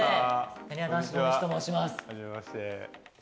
なにわ男子・大西と申します。